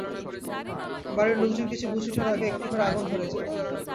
বাড়ির লোকজন কিছু বুঝে ওঠার আগেই একটি ঘরে আগুন ধরে যায়।